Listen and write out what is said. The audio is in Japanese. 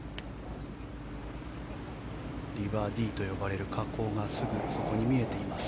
リバー・ディーと呼ばれる河口がすぐそこに見えています。